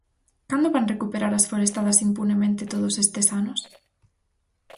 ¿Cando van recuperar as forestadas impunemente todos estes anos?